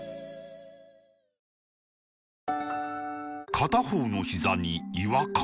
片方のひざに違和感